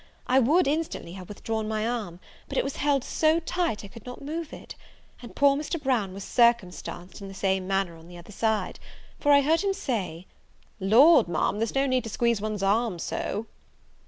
I would instantly have withdrawn my arm: but it was held so tight I could not move it; and poor Mr. Brown was circumstanced in the same manner on the other side; for I heard him say, "Lord, Ma'am, there's no need to squeeze one's arm so!"